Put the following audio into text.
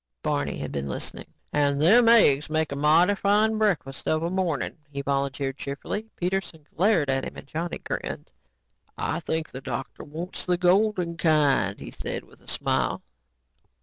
Barney had been listening. "And them eggs make a mighty fine breakfast of a morning," he volunteered cheerfully. Peterson glared at him and Johnny grinned. "I think the doctor wants the golden kind," he said with a smile.